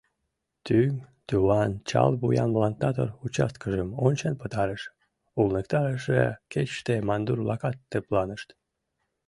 Тӱҥ туван, чал вуян плантатор, участкыжым ончен пытарыш, улныктарыше кечыште мандур-влакат тыпланышт.